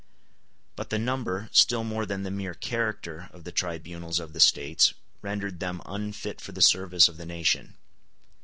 ] But the number, still more than the mere character, of the tribunals of the States rendered them unfit for the service of the nation.